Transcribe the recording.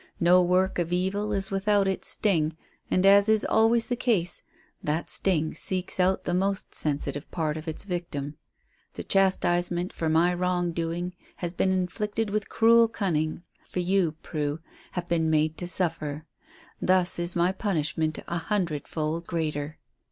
No work of evil is without its sting, and, as is always the case, that sting seeks out the most sensitive part of its victim. The chastisement for my wrongdoing has been inflicted with cruel cunning, for you, Prue, have been made to suffer; thus is my punishment a hundredfold greater."